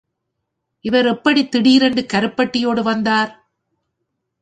இவர் எப்படித் திடீரென்று கருப்பட்டியோடு வந்தார்...?